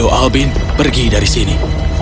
albin pergi dari sini